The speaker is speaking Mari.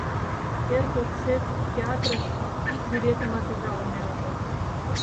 Эр годсек театрыш ик билетымат ужалыме огыл.